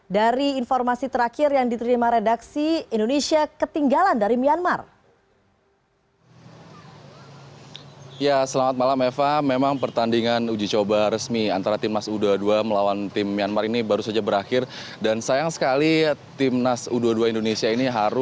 dari informasi terakhir yang diterima redaksi indonesia ketinggalan dari myanmar